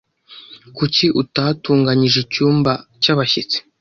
kuki utatunganyije icyumba cy’ abashyitsi